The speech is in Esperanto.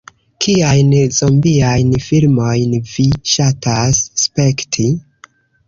Kiajn zombiajn filmojn vi ŝatas spekti?